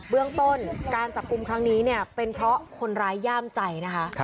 เรื่องต้นการจับกลุ่มครั้งนี้เนี่ยเป็นเพราะคนร้ายย่ามใจนะคะ